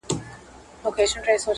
او بلاخره ساعتیری هم وکړې